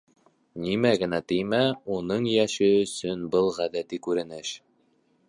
Нимә генә тимә, уның йәше өсөн был ғәҙәти күренеш.